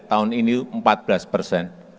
tahun ini empat belas persen